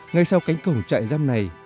ngay sau cánh cổng trại giam này